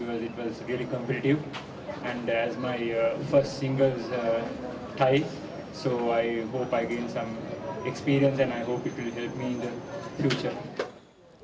dan sebagai penyanyi pertama saya saya berharap saya mendapatkan pengalaman dan saya harap ini akan membantu saya di masa depan